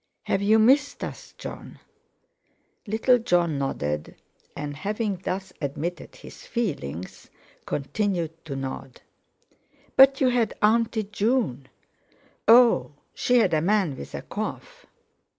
"Have you missed us, Jon?" Little Jon nodded, and having thus admitted his feelings, continued to nod. "But you had 'Auntie' June?" "Oh! she had a man with a cough."